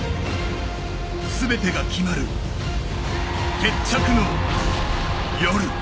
全てが決まる決着の夜。